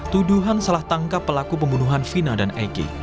tuduhan salah tangkap pelaku pembunuhan vina dan egy